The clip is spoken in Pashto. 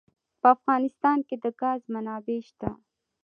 په افغانستان کې د ګاز منابع شته.